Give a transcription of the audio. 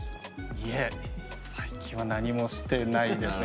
いえ最近は何もしてないですね。